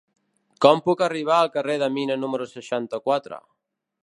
Com puc arribar al carrer de Mina número seixanta-quatre?